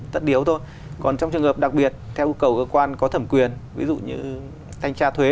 tất yếu thôi còn trong trường hợp đặc biệt theo yêu cầu cơ quan có thẩm quyền ví dụ như thanh tra thuế